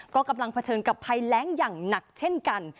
ก็กำลังเผชิญกับภัยแรงอย่างหนักเช่นกัน